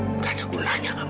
nggak ada gunanya kamu